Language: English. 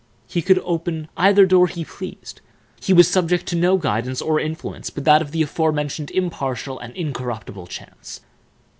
He could open either door he pleased; he was subject to no guidance or influence but that of the aforementioned impartial and incorruptible chance.